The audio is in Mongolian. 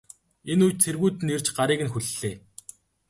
Энэ үед цэргүүд нь ирж гарыг нь хүллээ.